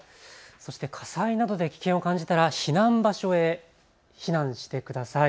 そして火災などで危険を感じたら避難場所へ避難してください。